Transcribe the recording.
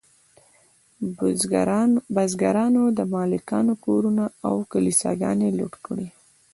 بزګرانو د مالکانو کورونه او کلیساګانې لوټ کړې.